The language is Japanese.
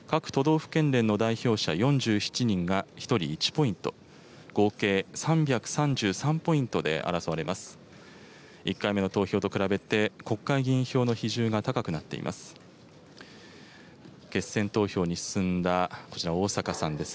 府県連の代表者４７人が１人１ポイント、合計３３３ポイントで争われます。